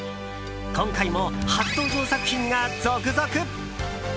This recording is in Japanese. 今回も初登場作品が続々！